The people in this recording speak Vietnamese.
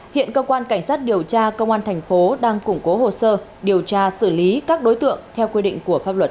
hiện cơ quan cảnh sát điều tra công an thành phố đang củng cố hồ sơ điều tra xử lý các đối tượng theo quy định của pháp luật